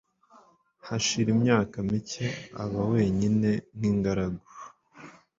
hashira imyaka mike, aba wenyine nk'ingaragu